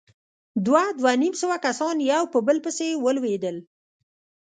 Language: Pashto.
دوه، دوه نيم سوه کسان يو په بل پسې ولوېدل.